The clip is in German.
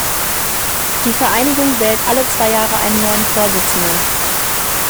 Die Vereinigung wählt alle zwei Jahre einen neuen Vorsitzenden.